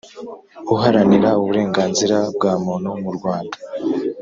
uharanira uburenganzira bwa muntu mu rwanda